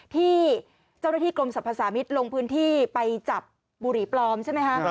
ที่เจ้าหน้าที่กรมสรรพสามิตรลงพื้นที่ไปจับบุหรี่ปลอมใช่ไหมคะ